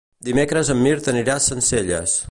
Dimecres en Mirt anirà a Sencelles.